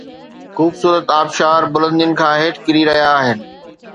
خوبصورت آبشار بلندين کان هيٺ ڪري رهيا آهن